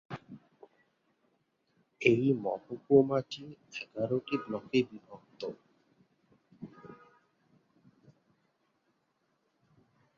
এই মহকুমাটি এগারোটি ব্লকে বিভক্ত।